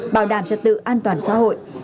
bảo đảm trật tự an toàn xã hội